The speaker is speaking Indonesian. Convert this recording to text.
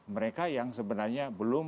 mereka yang sebenarnya belum